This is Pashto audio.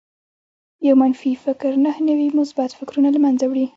يو منفي فکر نهه نوي مثبت فکرونه لمنځه وړي